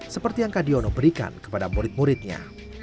seperti yang kadiono berikan kepada murid muridnya